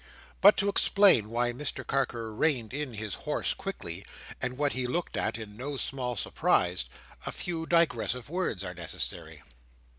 But to explain why Mr Carker reined in his horse quickly, and what he looked at in no small surprise, a few digressive words are necessary.